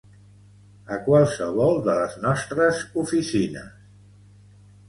A qualsevol de les nostres oficines.